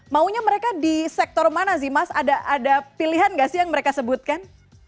maunya mereka di sektor mana sih mas ada pilihan nggak sih yang mereka sebutkan